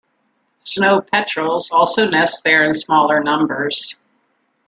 Snow petrels also nest there in smaller numbers.